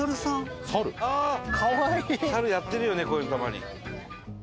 猿やってるよねこういうのたまに。